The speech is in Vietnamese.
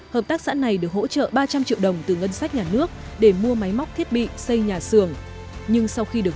hợp tác xã này được hỗ trợ ba trăm linh triệu đồng từ ngân sách nhà nước để mua máy móc thiết bị xây nhà xưởng